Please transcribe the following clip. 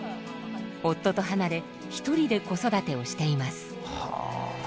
夫と離れ一人で子育てをしています。